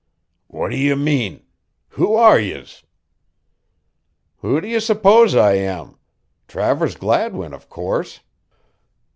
"What do ye mean who are yez?" "Who do you suppose I am? Travers Gladwin, of course."